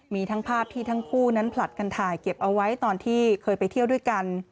มีทั้งภาพที่ทั้งคู่นั้นผลัดกันถ่ายเก็บเอาไว้ตอนที่เคยไปเที่ยวด้วยกัน